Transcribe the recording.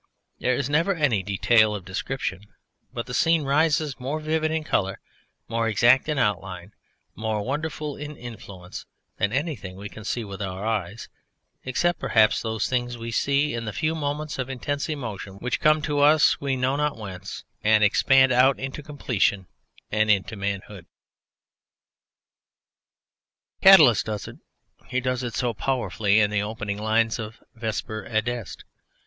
There is never any detail of description, but the scene rises, more vivid in colour, more exact in outline, more wonderful in influence, than anything we can see with our eyes, except perhaps those things we see in the few moments of intense emotion which come to us, we know not whence, and expand out into completion and into manhood. Catullus does it. He does it so powerfully in the opening lines of Vesper adest